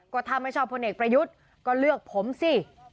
ก็ถ้าไม่ชอบพลเอกประยุทธ์ก็เลือกผมสิ